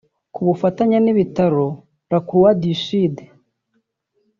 avuga ko ku bufatanye n’ibitaro La Croix du Sud